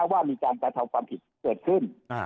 ว่ามีการกระทำความผิดเกิดขึ้น